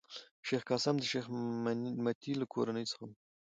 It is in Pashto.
شېخ قاسم د شېخ مني له کورنۍ څخه دﺉ.